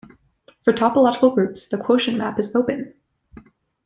For topological groups, the quotient map is open.